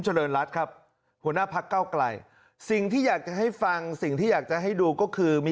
ทำบุญให้ทุกคนได้มีความสุขความเจริญรุ่นเรือง